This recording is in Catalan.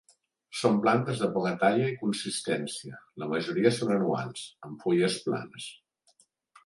Són plantes de poca talla i consistència, la majoria són anuals, amb fulles planes.